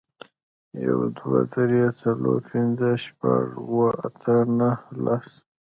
یو, دوه, درې, څلور, پنځه, شپږ, اووه, اته, نهه, لس